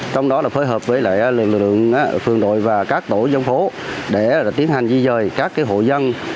trong đó là phối hợp với lực lượng phương đội và các tổ dân phố để tiến hành di dời các hộ dân